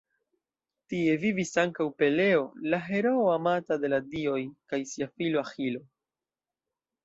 Tie vivis ankaŭ Peleo, la heroo amata de la dioj, kaj sia filo Aĥilo.